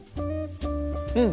うん！